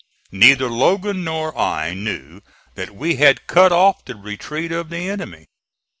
Neither Logan nor I knew that we had cut off the retreat of the enemy.